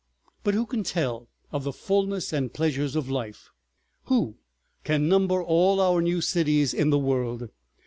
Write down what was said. ... But who can tell of the fullness and pleasure of life, who can number all our new cities in the world?